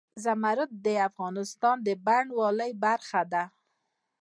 زمرد د افغانستان د بڼوالۍ برخه ده.